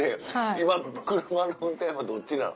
今車の運転はどっちなの？